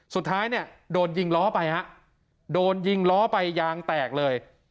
สุดท้ายเนี่ยโดนยิงล้อไปฮะโดนยิงล้อไปยางแตกเลย